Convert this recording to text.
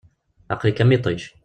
Aqel-ik am yiṭij.